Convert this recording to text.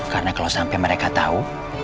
karena kalau sampai mereka tahu